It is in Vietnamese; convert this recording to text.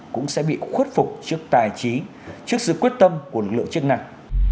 cũng sẽ bị khuất phục trước tài trí trước sự quyết tâm của lực lượng chức năng